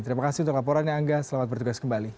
terima kasih untuk laporannya angga selamat bertugas kembali